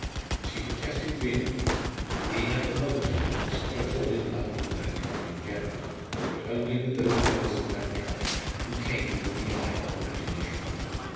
She protested vehemently, being at the moment, of course, not at all in love with mankind in general, but only with those members of mankind who came within the eye of imagination.